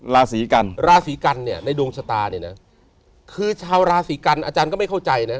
ราศีกันราศีกันเนี่ยในดวงชะตาเนี่ยนะคือชาวราศีกันอาจารย์ก็ไม่เข้าใจนะ